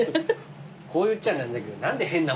こう言っちゃ何だけど。